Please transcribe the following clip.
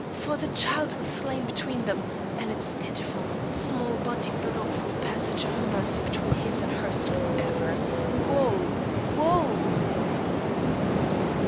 For the child was slain between them and its pitiful, small body blocks the passage of Mercy between his and hers forever. Woe! woe!"